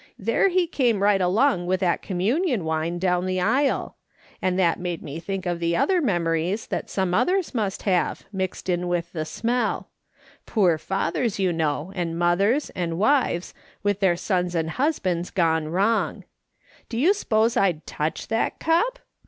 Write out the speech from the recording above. There he came right along with that communion wine down the aisle. And that made me think of the other memories that some others must have, mixed in with the smell ; poor fathers, you know, and mothers, and wives, with their sons and hus bands gone wrong. Do you s'pose I'd touch that cup?